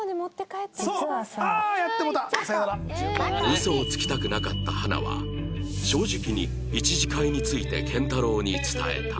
ウソをつきたくなかった花は正直に１次会について健太郎に伝えた